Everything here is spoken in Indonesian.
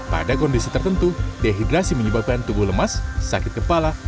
pada kondisi tertentu dehidrasi menyebabkan tubuh lemas sakit kepala